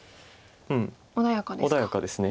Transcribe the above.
穏やかですか。